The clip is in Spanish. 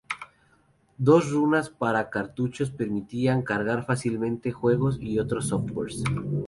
Dos ranuras para cartuchos permitían cargar fácilmente juegos y otros softwares.